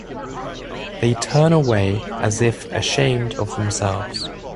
They turn away as if ashamed of themselves.